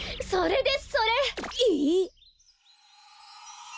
それですそれ！